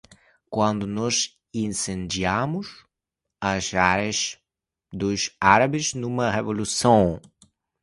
Quando nós incendiarmos as areias dos árabes numa revolução